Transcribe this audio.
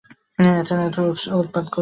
কেন এত উৎপাত করলেন!